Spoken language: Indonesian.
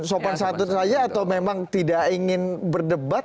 sopan santun saja atau memang tidak ingin berdebat